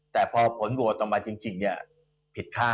แต่พอผลโหวตออกมาจริงผิดค่า